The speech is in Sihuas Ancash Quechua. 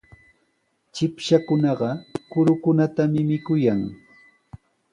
Chipshakunaqa kurukunatami mikuyan.